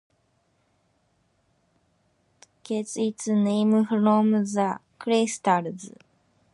Tetrahedrite gets its name from the distinctive tetrahedron shaped cubic crystals.